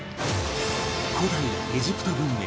古代エジプト文明